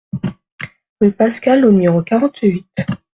Rue Pascal au numéro quarante-huit